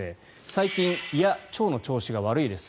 最近、胃や腸の調子が悪いです